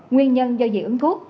nguyên nhân do dị ứng thuốc